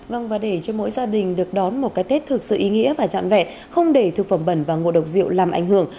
vâng và để cho mỗi gia đình được đón một cái tết thực sự ý nghĩa và trọn vẹn không để thực phẩm bẩn và ngộ độc rượu làm ảnh hưởng